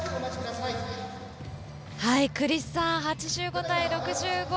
クリスさん、８５対６５。